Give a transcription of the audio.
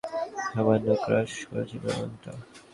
সামান্য ক্র্যাশ করেছে প্রোগ্রামটা!